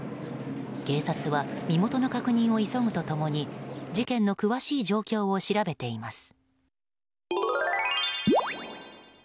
警察は身元の確認を急ぐと共に事件の詳しい状況を調べています。